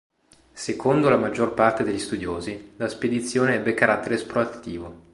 Secondo la maggior parte degli studiosi, la spedizione ebbe carattere esplorativo.